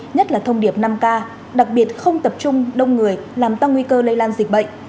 nhất là thông điệp năm k đặc biệt không tập trung đông người làm tăng nguy cơ lây lan dịch bệnh